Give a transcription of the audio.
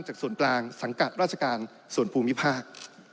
จากส่วนกลางสังกัดราชการส่วนภูมิภาค